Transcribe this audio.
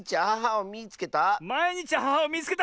「まいにちアハハをみいつけた！」？